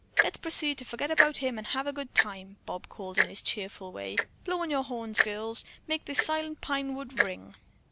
Let's proceed to forget about him and have a good time," Bob called in his cheerful way. "Blow on your horns, girls. Make this silent pine wood ring."